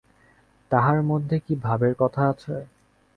তাহার মধ্যে কী ভাবের কথা আছে ।